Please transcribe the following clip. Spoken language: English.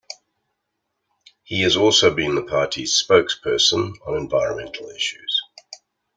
He has also been the party's spokesperson on environmental issues.